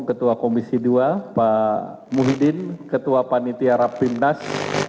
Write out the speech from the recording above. ketua komisi dua pak muhyiddin ketua panitia rapimnas